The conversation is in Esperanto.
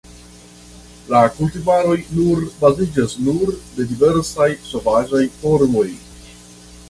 La kultivaroj nur baziĝas nur de diversaj sovaĝaj formoj.